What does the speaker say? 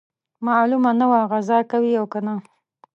معلومه نه وه غزا کوي او کنه.